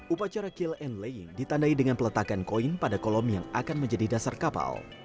upacara kill and laying ditandai dengan peletakan koin pada kolom yang akan menjadi dasar kapal